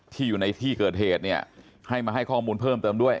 อยู่ในที่เกิดเหตุเนี่ยให้มาให้ข้อมูลเพิ่มเติมด้วย